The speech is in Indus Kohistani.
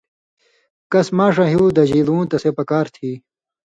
کس ماݜاں ہیُو دژیۡ لُوں تسے پکار تھی